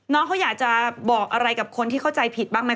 น้องเขาอยากจะบอกอะไรกับคนที่เข้าใจผิดบ้างไหม